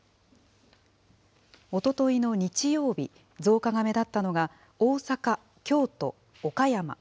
おとといの日曜日、増加が目立ったのが、大阪、京都、岡山。